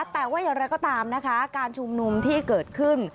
แต่ว่าอย่างไรก็ตามนะคะการชุมนุมที่เกิดขึ้น